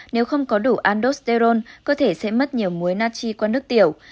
nếu không có đủ andosterone cơ thể sẽ mất nhiều muối nachi qua nước tiểu